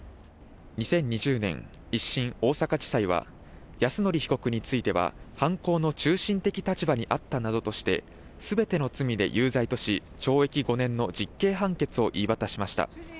２０２０年、１審大阪地裁は、泰典被告については、犯行の中心的立場にあったなどとして、すべての罪で有罪とし、懲役５年の実刑判決を言い渡しました。